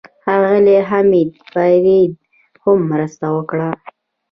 ښاغلي حمید فیدل هم مرسته وکړه.